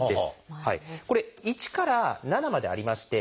これ「１」から「７」までありまして。